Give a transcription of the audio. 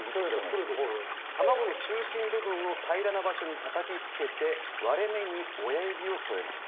卵の中心部分を平らな場所にたたきつけて割れ目に親指を添えます。